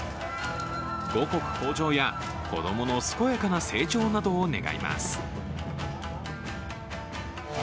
五穀豊穣や子供の健やかな成長などを願います。